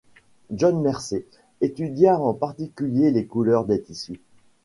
John Mercer étudia en particulier les couleurs des tissus.